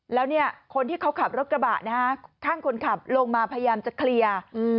แล้วเนี่ยคนที่เขาขับรถกระบะนะฮะข้างคนขับลงมาพยายามจะเคลียร์